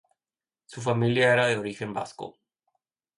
Su familia era de origen vasco.